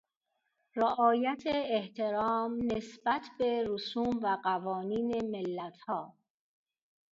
رعایت احترام نسبت به رسوم و قوانین ملتها